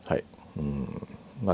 うんまあ